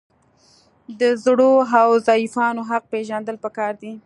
د زړو او ضعیفانو حق پیژندل پکار دي.